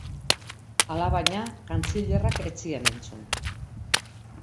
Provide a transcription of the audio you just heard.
Alabaina, kantzilerrak ez zien entzun.